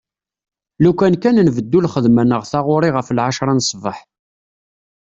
Lukan kan nbeddu lxedma neɣ taɣuri ɣef lɛecra n sbeḥ.